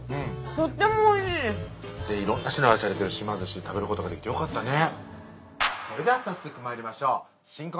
とってもおいしいです色んな人に愛されてる島寿司食べることができてよかったね